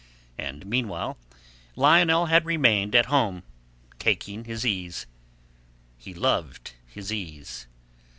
And meanwhile, Lionel had remained at home taking his ease. He loved his ease.